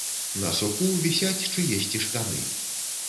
На суку вісяць чыесьці штаны.